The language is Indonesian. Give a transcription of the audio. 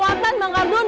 ya allah bang kardun